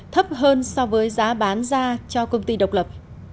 thấp hơn so với giá bán ra cho công ty độc lập